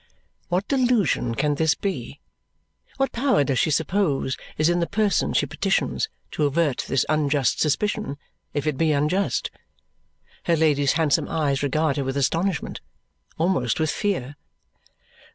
What delusion can this be? What power does she suppose is in the person she petitions to avert this unjust suspicion, if it be unjust? Her Lady's handsome eyes regard her with astonishment, almost with fear.